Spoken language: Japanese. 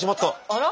あら？